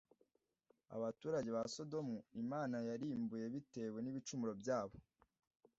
abaturage ba Sodomu, Imana yarimbuye bitewe n’ibicumuro byabo